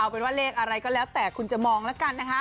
เอาเป็นว่าเลขอะไรก็แล้วแต่คุณจะมองเออะป่ะ